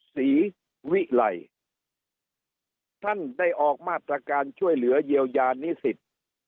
ศรีวิไลท่านได้ออกมาตรการช่วยเหลือเยียวยานิสิต